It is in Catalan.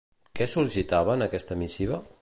Què sol·licitava en aquesta missiva?